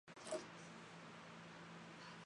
洛克梅拉人口变化图示